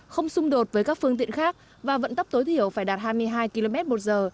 không xung đột với các phương tiện khác và vận tốc tối thiểu phải đạt hai mươi hai km một giờ